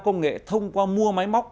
công nghệ thông qua mua máy móc